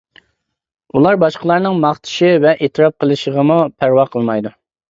ئۇلار باشقىلارنىڭ ماختىشى ۋە ئېتىراپ قىلىشىغىمۇ پەرۋا قىلمايدۇ.